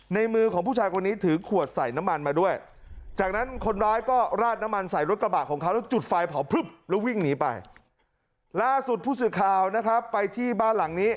แล้ววิ่งหนีไปล่าสุดพูดสื่อข่าวนะครับไปที่บ้านหลังนี้